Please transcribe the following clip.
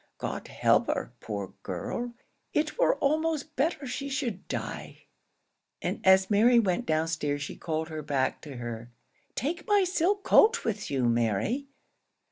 God help her, poor girl; it were almost better she should die," and as Mary went down stairs she called her back to her. "Take my silk cloak with you, Mary.